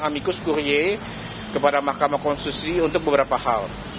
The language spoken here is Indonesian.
amikus kuhye kepada mahkamah konstitusi untuk beberapa hal